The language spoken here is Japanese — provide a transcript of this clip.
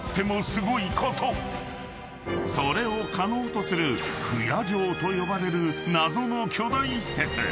［それを可能とする不夜城と呼ばれる謎の巨大施設］